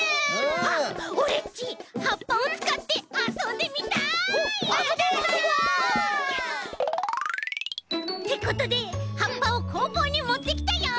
オレっちはっぱをつかってあそんでみたい！あそぼうあそぼう！ってことではっぱを工房にもってきたよ。